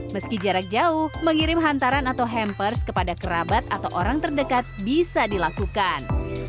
meski jarak jauh mengirim hantaran atau hampers kepada kerabat atau orang terdekat bisa dilakukan